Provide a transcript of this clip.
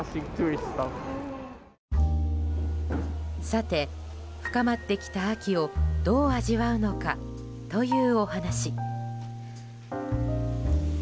さて、深まってきた秋をどう味わうのかというお話。